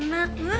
itu juga enak